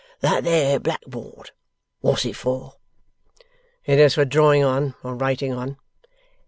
That there black board; wot's it for?' 'It is for drawing on, or writing on.